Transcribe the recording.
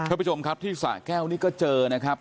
ท่านผู้ชมครับที่สะแก้วนี่ก็เจอนะครับ